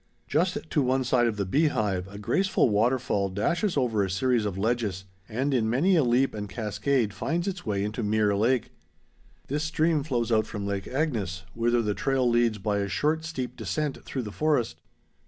Just to one side of the Beehive a graceful waterfall dashes over a series of ledges and in many a leap and cascade finds its way into Mirror Lake. This stream flows out from Lake Agnes, whither the trail leads by a short steep descent through the forest.